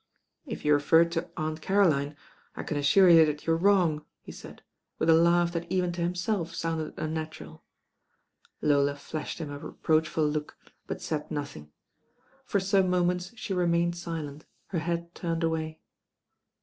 "If you refer to Aunt Caroline, I can assure you that you are wrong," he said, with a laugh that even to himself sounded unnatural. Lola flashed him a reproachful look, but said nothing. For some moments she remained silent, her head turned away.